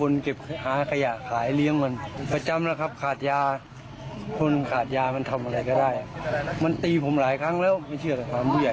นี่ไม่ใช่ครั้งแรกนะที่หลานชายคนนี้